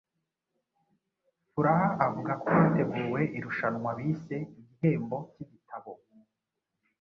Furaha avuga ko hateguwe irushanwa bise ‘igihembo cy’igitabo’